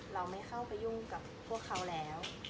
เราไม่เข้าไปยุ่งกับพวกเขาแล้ว